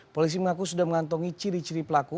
polisi mengaku sudah mengantongi ciri ciri pelaku